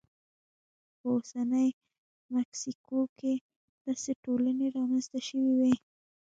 په اوسنۍ مکسیکو کې داسې ټولنې رامنځته شوې وې